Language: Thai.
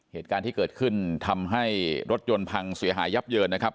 เหตุการณ์ที่เกิดขึ้นทำให้รถยนต์พังเสียหายยับเยินนะครับ